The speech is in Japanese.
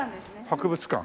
博物館。